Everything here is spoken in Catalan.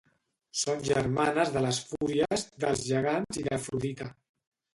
Són germanes de les Fúries, dels gegants i d'Afrodita.